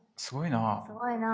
すごいな。